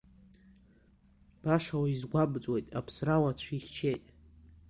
Баша уизгәамҵуеит, аԥсра уацәихьчеит.